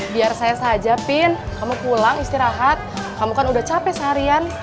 biar saya saja pin kamu pulang istirahat kamu kan udah capek seharian